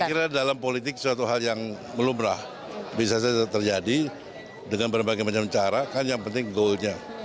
saya kira dalam politik suatu hal yang melumrah bisa saja terjadi dengan berbagai macam cara kan yang penting goalnya